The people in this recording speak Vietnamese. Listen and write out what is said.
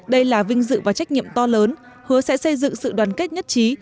đây là vinh dự và trách nhiệm to lớn hứa sẽ xây dựng sự đoàn kết nhất trí